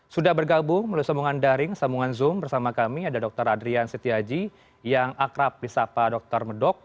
sudah bergabung melalui sambungan daring sambungan zoom bersama kami ada dr adrian setiaji yang akrab di sapa dr medok